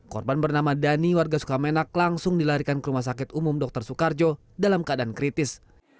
korban bernama dhani warga sukamenak langsung dilarikan ke rumah sakit umum dr soekarjo dalam keadaan kritis